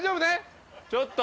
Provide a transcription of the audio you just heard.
ちょっと。